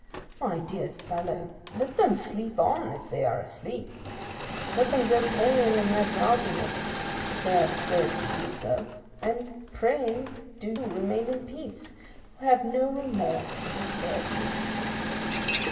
My dear fellow, let them sleep on, if they are asleep; let them grow pale in their drowsiness, if they are disposed to do so, and pray do you remain in peace, who have no remorse to disturb you."